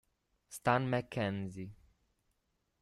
Stan McKenzie